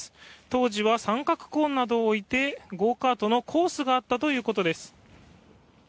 当時は三角コーンなどを置いてゴーカートのコースがあったということです。